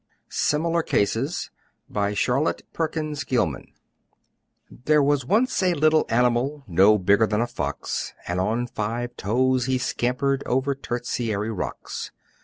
SIMILAR CASES BY CHARLOTTE PERKINS GILMAN There was once a little animal, No bigger than a fox, And on five toes he scampered Over Tertiary rocks.